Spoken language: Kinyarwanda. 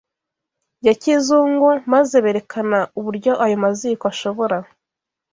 ya kizungu, maze berekana uburyo ayo maziko ashobora